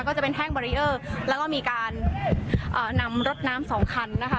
ก็จะเป็นแท่งบารีเออร์แล้วก็มีการอ่านำรถน้ำสองคันนะคะ